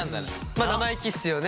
まあ生意気っすよね。